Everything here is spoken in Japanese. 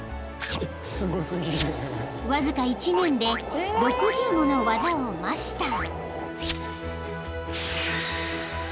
［わずか１年で６０もの技をマスター］